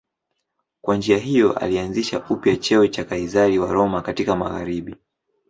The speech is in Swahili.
Kwa njia hiyo alianzisha upya cheo cha Kaizari wa Roma katika magharibi.